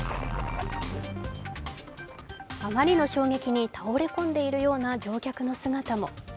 あまりの衝撃に倒れ込んでいるような乗客の姿も。